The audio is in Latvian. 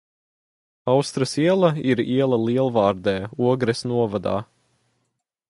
Austras iela ir iela Lielvārdē, Ogres novadā.